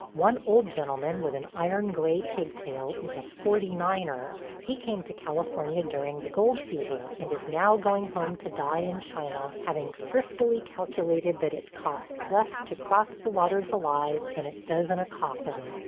One old gentleman with an iron gray pigtail is a "Forty niner." He came to California during the gold fever, and is now going home to die in China, having thriftily calculated that it costs less to cross the waters alive than it does in a coffin.